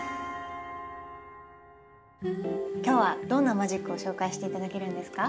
今日はどんなマジックを紹介して頂けるんですか？